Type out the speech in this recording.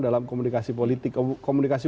dalam komunikasi politik komunikasi